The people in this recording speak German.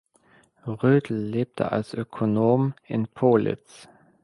Rödel lebte als Ökonom in Pohlitz.